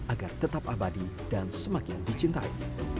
agar tetap abadi dan semakin dicintai